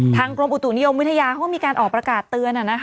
กรมอุตุนิยมวิทยาเขาก็มีการออกประกาศเตือน